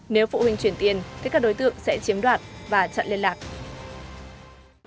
nếu phụ huynh chuyển tiền thì các đối tượng sẽ chiếm đoạt và chặn liên lạc